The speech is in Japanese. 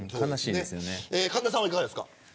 神田さんは、いかがですか。